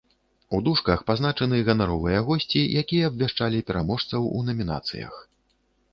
У дужках пазначаны ганаровыя госці, якія абвяшчалі пераможцаў у намінацыях.